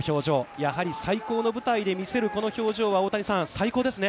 やはり最高の舞台で見せるこの表情は、大谷さん、最高ですね。